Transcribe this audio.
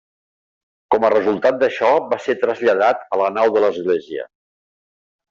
Com a resultat d'això, va ser traslladat a la nau de l'església.